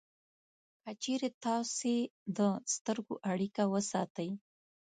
که چېرې تاسې د سترګو اړیکه وساتئ